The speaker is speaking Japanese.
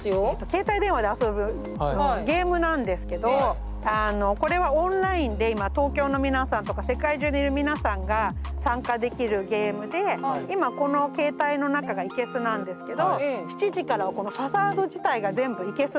携帯電話で遊ぶゲームなんですけどこれはオンラインで今東京の皆さんとか世界中にいる皆さんが参加できるゲームで今この携帯の中が生けすなんですけど７時からはこのファサード自体が全部生けすになるんです。